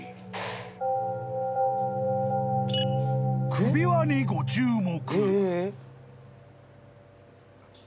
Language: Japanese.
［首輪にご注目］